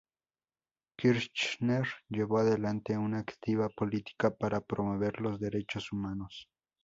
Kirchner llevó adelante una activa política para promover los Derechos Humanos.